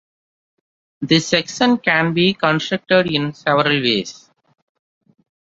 This section can be constructed in several ways.